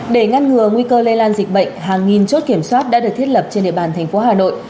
để ngăn ngừa nguy cơ lây lan dịch bệnh hàng nghìn chốt kiểm soát đã được thiết lập trên địa bàn thành phố hà nội